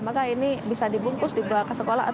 maka ini bisa dibungkus di bawah ke sekolah